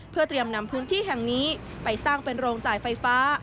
เพื่อเตรียมนำพื้นที่แห่งนี้ไปสร้างเป็นโรงจ่ายไฟฟ้า